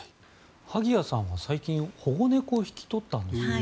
萩谷さんは最近保護猫を引き取ったんですよね。